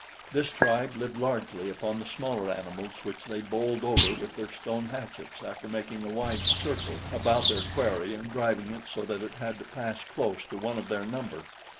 This tribe lived largely upon the smaller animals which they bowled over with their stone hatchets after making a wide circle about their quarry and driving it so that it had to pass close to one of their number.